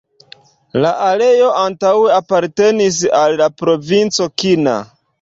La areo antaŭe apartenis al la provinco Kina.